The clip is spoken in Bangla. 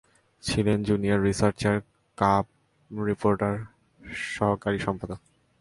ছিলেন জুনিয়র রিসার্চার, কাব রিপোর্টার, সহকারী সম্পাদক।